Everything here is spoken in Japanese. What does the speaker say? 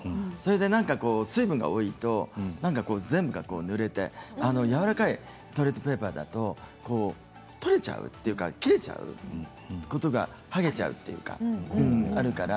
なんか水分が多いと全部がぬれて、やわらかいトイレットペーパーだと取れちゃうというか切れちゃう、はげちゃうというかあるから。